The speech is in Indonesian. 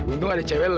untung ada cewek lu